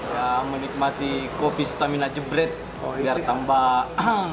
ya menikmati kopi stamina jebret biar tambah